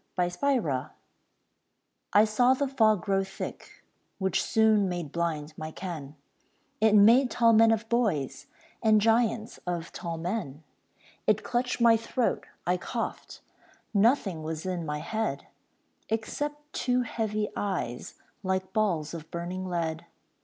THE FOG I saw the fog grow thick, Which soon made blind my ken; It made tall men of boys, And giants of tall men. It clutched my throat, I coughed; Nothing was in my head Except two heavy eyes Like balls of burning lead.